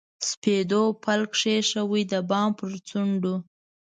سپېدو پل کښېښود، د بام پر څنډو